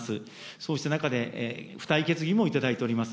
そうした中で付帯決議もいただいております。